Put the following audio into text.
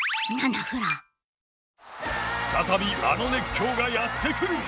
再び、あの熱狂がやってくる。